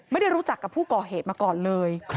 ไม่ได้รู้จักกับผู้ก่อเหตุมาก่อนเลย